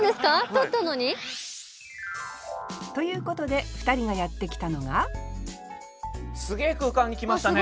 とったのに？ということで２人がやって来たのがすげえ空間に来ましたね。